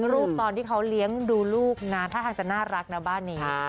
รูปตอนที่เขาเลี้ยงดูลูกนะท่าทางจะน่ารักนะบ้านนี้